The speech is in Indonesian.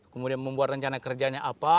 kemudian membuat rencana kerjanya apa